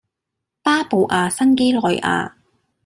巴布亞新畿內亞